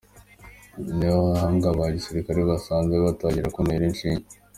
Ni ho abaganga ba gisirikare bansanze, batangira kuntera inshinge.